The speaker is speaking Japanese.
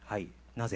なぜ？